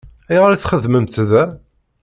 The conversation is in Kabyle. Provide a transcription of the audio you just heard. Ayɣer i txeddmemt da?